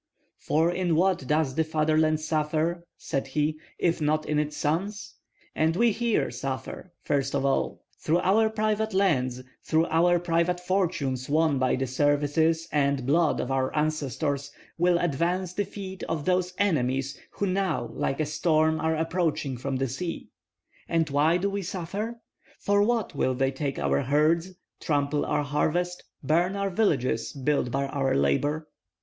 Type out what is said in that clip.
"For in what does the fatherland suffer," said he, "if not in its sons? and we here suffer, first of all. Through our private lands, through our private fortunes won by the services and blood of our ancestors, will advance the feet of those enemies who now like a storm are approaching from the sea. And why do we suffer? For what will they take our herds, trample our harvests, burn our villages built by our labor?